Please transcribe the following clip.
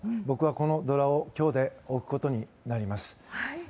僕は、この銅鑼を今日で置くことになります。